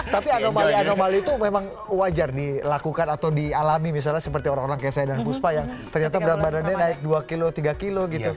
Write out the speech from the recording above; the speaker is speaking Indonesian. tapi anomali anomali itu memang wajar dilakukan atau dialami misalnya seperti orang orang kayak saya dan puspa yang ternyata berat badannya naik dua kilo tiga kilo gitu